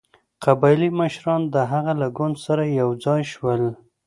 قبایلي مشران د هغه له ګوند سره یو ځای شول.